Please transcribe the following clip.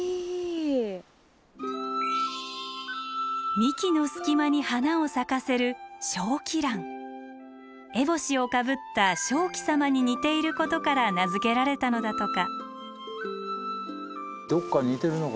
幹の隙間に花を咲かせる烏帽子をかぶった鍾馗様に似ていることから名付けられたのだとか。